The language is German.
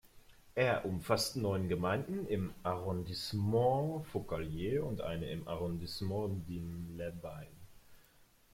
Er umfasst neun Gemeinden im Arrondissement Forcalquier und eine im Arrondissement Digne-les-Bains.